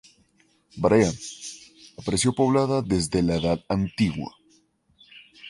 Varea, apareció poblada desde la Edad Antigua.